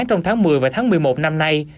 trong tháng một mươi và tháng một mươi một năm nay